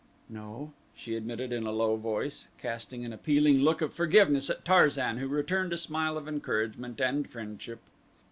"No," she admitted in a low voice, casting an appealing look of forgiveness at Tarzan who returned a smile of encouragement and friendship.